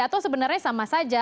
atau sebenarnya sama saja